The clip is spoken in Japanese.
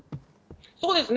そうですね。